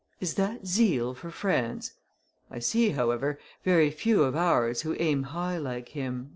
Is that zeal for France? I see, however, very few of ours who aim high like him."